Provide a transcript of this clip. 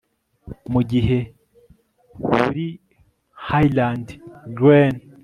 Mugihe buri Highland glen